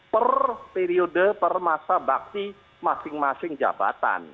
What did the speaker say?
per periode per masa bakti masing masing jabatan